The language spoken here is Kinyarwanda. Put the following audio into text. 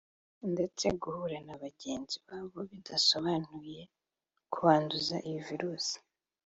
ndetse guhura na bagenzi babo bidasobanuye kubanduza iyi virusi